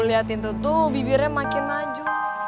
liatin tuh bibirnya makin maju